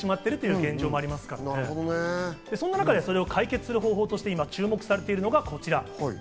そんな中でそれを解決する方法として今注目されているのがこちら。